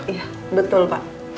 iya betul pak